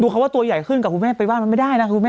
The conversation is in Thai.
คำว่าตัวใหญ่ขึ้นกับคุณแม่ไปบ้านมันไม่ได้นะคุณแม่